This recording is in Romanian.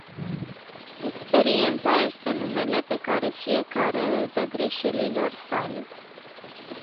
Experiența este numele pe care fiecare îl dă greșelilor sale.